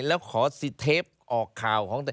แล้วขอสิเทปออกข่าว